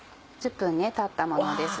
１０分たったものです。